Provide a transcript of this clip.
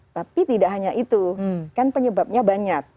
tapi tidak hanya itu kan penyebabnya banyak